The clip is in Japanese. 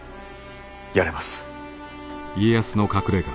やれます。